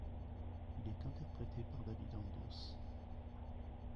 Il est interprété par David Anders.